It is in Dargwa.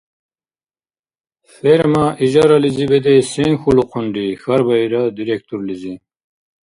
— Ферма ижарализи бедес сен хьулухъунри? – хьарбаира директорлизи.